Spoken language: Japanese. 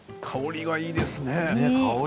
香りがいいですね。